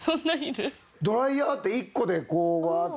ドライヤーって１個でこうワーッと。